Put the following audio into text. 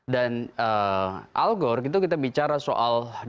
dan al gore itu kita bicara soal data sangat minim